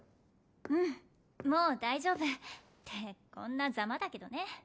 うんもう大丈夫ってこんなザマだけどね